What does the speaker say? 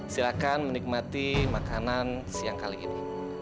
silahkan menikmati makanan siang kali ini